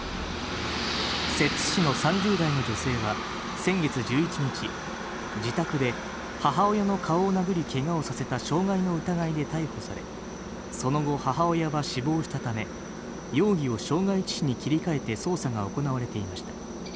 摂津市の３０代の女性は先月１１日、自宅で母親の顔を殴り、けがをさせた傷害の疑いで逮捕され、その後、母親は死亡したため、容疑を傷害致死に切り替えて捜査が行われていました。